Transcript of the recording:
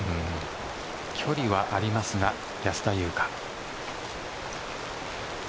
距離はありますが、安田祐香。